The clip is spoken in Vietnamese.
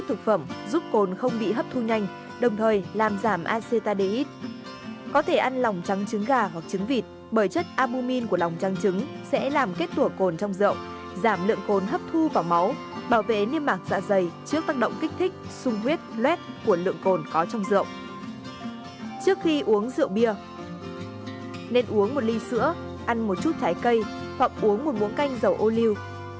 uống một ly sữa ăn một chút thái cây hoặc uống một muỗng canh dầu ô liu